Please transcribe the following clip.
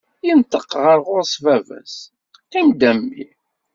Yenṭeq ɣer ɣur-s baba-s: Qim-d a mmi.